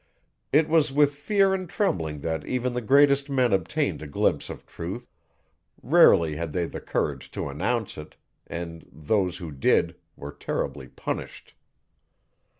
It was with fear and trembling that even the greatest men obtained a glimpse of truth; rarely had they the courage to announce it; and those, who did, were terribly punished.